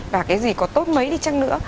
và cái gì có tốt mấy đi chăng nữa